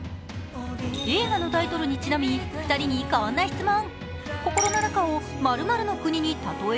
映画のタイトルにちなみ２人にこんな質問。